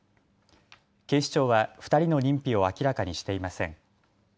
警視庁は２人の認否を明らかにしていません。